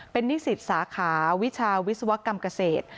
เป็นนิสิตสาขาวิชาวิศวกรรมเกษตร